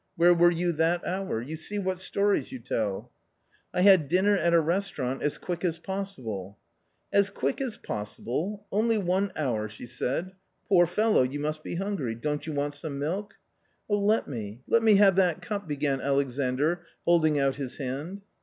Where were you that hour ? you see what stories you tell !"" I had dinner at a restaurant as quick as possible." " As quick as possible ! only one hour !" she said. " Poor fellow ! you must be hungry. Don't you want some milk ?"" Oh, let me, let me have that cup," began Alexandr, holding out his hand.